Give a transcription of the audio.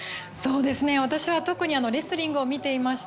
私は特にレスリングを見ていました。